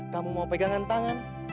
kamu mau pegangan tangan